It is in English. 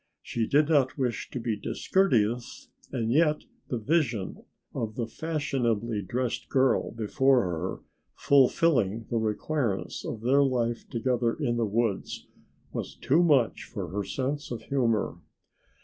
She did not wish to be discourteous and yet the vision of the fashionably dressed girl before her fulfilling the requirements of their life together in the woods was too much for her sense of humor.